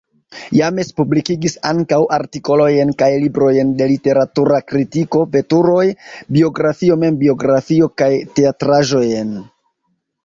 James publikigis ankaŭ artikolojn kaj librojn de literatura kritiko, veturoj, biografio, membiografio kaj teatraĵojn.